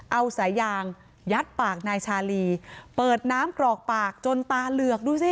เอาสายยางยัดปากนายชาลีเปิดน้ำกรอกปากจนตาเหลือกดูสิ